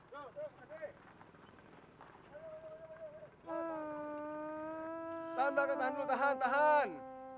liat dong dari kenyataan